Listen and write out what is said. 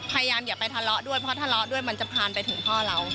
อย่าไปทะเลาะด้วยเพราะทะเลาะด้วยมันจะผ่านไปถึงพ่อเรา